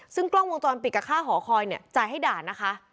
ซึ่งกล้องวงจรปิดกับค่าหอคอยเนี่ยจ่ายให้ด่านนะคะ